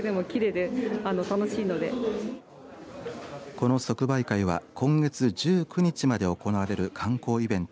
この即売会は今月１９日まで行われる観光イベント